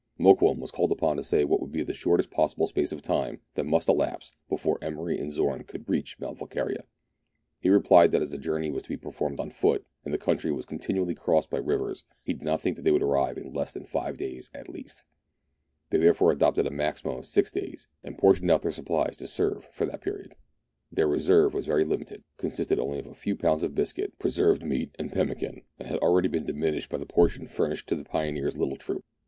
Mokoum was called upon to say what would be the shortest possible space of time that must elapse before Emery and Zorn could reach Mount Volquiria. He replied that as the journey was to be performed on foot, and the country was continually crossed by rivers, he did not think that they could arrive in less than five days at least. They therefore adopted a maximum of six days, and portioned out their supplies to serve for that period. Their reserve was very limited, consisting only of a few pounds of biscuit, preserved meat, and pemmican, and had already been dimi nished by the portion furnished to the pioneer's little troop. THREE ENGLISHMEN AND THREE RUSSIANS.